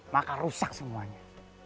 maka rusak semuanya